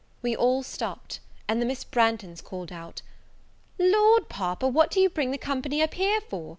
We all stopped; and then Miss Branghton called out, "Lord, Papa, what do you bring the company up here for?